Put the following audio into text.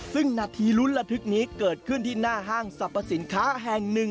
ซึ่งนาทีลุ้นระทึกนี้เกิดขึ้นที่หน้าห้างสรรพสินค้าแห่งหนึ่ง